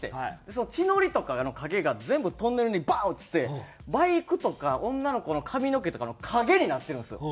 その血のりとかの影が全部トンネルにバーッうつってバイクとか女の子の髪の毛とかの影になってるんですよ。